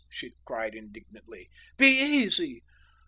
she cried indignantly, "be easy.